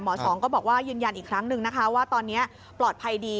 สองก็บอกว่ายืนยันอีกครั้งหนึ่งนะคะว่าตอนนี้ปลอดภัยดี